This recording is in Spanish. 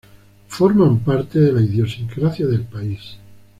Hacen parte de la idiosincrasia del país.